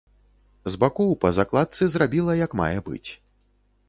З бакоў па закладцы зрабіла, як мае быць.